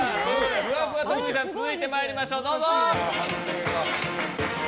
ふわふわ特技さん続いてまいりましょう。